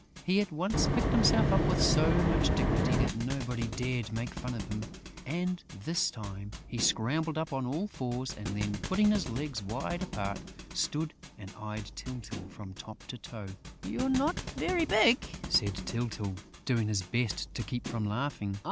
He at once picked himself up with so much dignity that nobody dared make fun of him; and, this time, he scrambled up on all fours and then, putting his legs wide apart, stood and eyed Tyltyl from top to toe. "You're not very big!" said Tyltyl, doing his best to keep from laughing.